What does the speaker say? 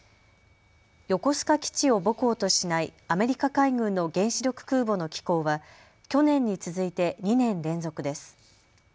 横須賀基地を母港としないアメリカ海軍の原子力空母の寄港は去年に続いて２年連続です。